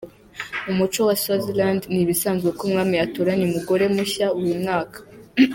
Mu muco wa Swaziland ni ibisanzwe ko Umwami atoranya umugore mushya buri mwaka.